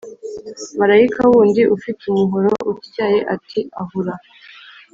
marayika wundi ufite umuhoro utyaye ati Ahura